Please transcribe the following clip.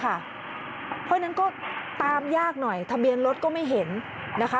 เพราะฉะนั้นก็ตามยากหน่อยทะเบียนรถก็ไม่เห็นนะคะ